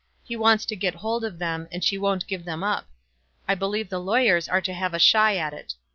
He wants to get hold of them, and she won't give them up. I believe the lawyers are to have a shy at it.